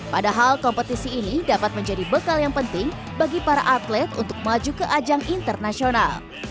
padahal kompetisi ini dapat menjadi bekal yang penting bagi para atlet untuk maju ke ajang internasional